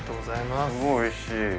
すごいおいしい。